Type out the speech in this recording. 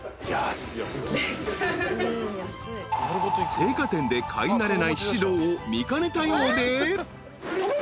［青果店で買い慣れない獅童を見かねたようで］